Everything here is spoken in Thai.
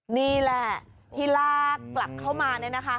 นี่แหละที่ลากกลับเข้ามาเนี่ยนะคะ